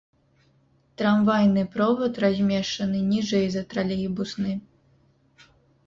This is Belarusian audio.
Трамвайны провад размешчаны ніжэй за тралейбусны.